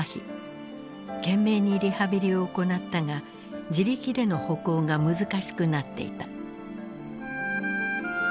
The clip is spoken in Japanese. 懸命にリハビリを行ったが自力での歩行が難しくなっていた。